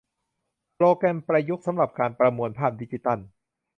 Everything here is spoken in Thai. โปรแกรมประยุกต์สำหรับการประมวลผลภาพดิจิทัล